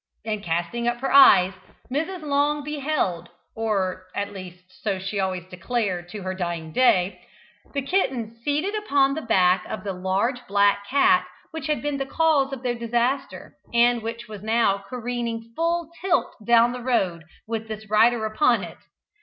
and casting up her eyes, Mrs. Long beheld or at least so she always declared to her dying day the kitten, seated upon the back of the large black cat which had been the cause of their disaster, and which was now careering full tilt down the road with this rider upon it.